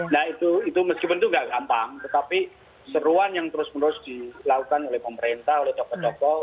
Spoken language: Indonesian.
nah itu meskipun itu nggak gampang tetapi seruan yang terus menerus dilakukan oleh pemerintah oleh tokoh tokoh